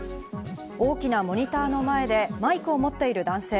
大きなモニターの前でマイクを持っている男性。